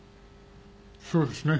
そうですね。